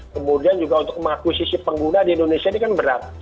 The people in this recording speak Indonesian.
kemudian juga untuk mengakuisisi pengguna di indonesia ini kan berat